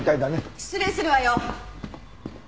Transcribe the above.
失礼するわよ。